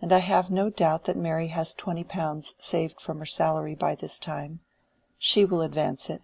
"And I have no doubt that Mary has twenty pounds saved from her salary by this time. She will advance it."